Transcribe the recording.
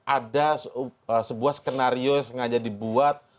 ada sebuah skenario yang sengaja dibuat